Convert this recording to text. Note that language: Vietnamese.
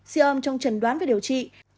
siêu âm trong trần đoán và điều trị